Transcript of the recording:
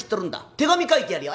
手紙書いてやるよ」。